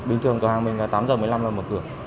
bình thường cửa hàng mình là tám giờ một mươi năm là mở cửa